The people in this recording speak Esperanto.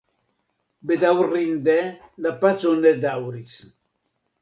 Bedaŭrinde la paco ne daŭris.